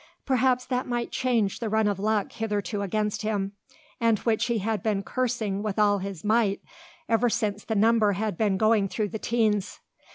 Perhaps that might change the run of luck hitherto against him; and which he had been cursing with all his might ever since the number had been going through the teens.